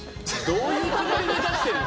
どういうつもりで出してるの？